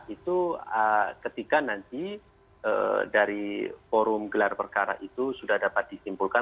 itu ketika nanti dari forum gelar perkara itu sudah dapat disimpulkan